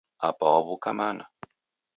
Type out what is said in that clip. Apa waw'uka mana?